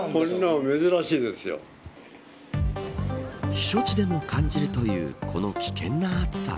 避暑地でも感じるというこの危険な暑さ。